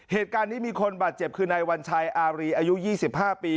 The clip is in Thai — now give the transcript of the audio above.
เหตุการณ์นี้มีคนบาดเจ็บคือนายวัญชัยอารีอายุ๒๕ปี